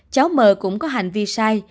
cháu mờ cũng có hành vi sai